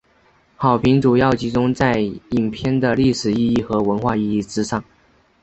好评主要集中在影片的历史意义和文化意义之上。